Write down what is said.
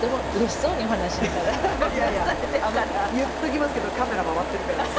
言っときますけどカメラ回ってるからです。